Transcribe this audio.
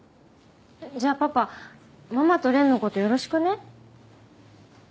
じゃあパパママとの事よろしくね。